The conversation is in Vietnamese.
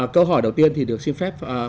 câu hỏi đầu tiên thì được xin phép